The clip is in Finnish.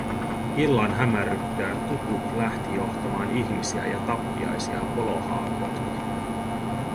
Illan hämärryttyä Tukuk lähti johtamaan ihmisiä ja tappiaisia Polohaa kohti.